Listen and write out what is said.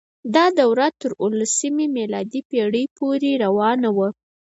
دا دوره تر اوولسمې میلادي پیړۍ پورې روانه وه.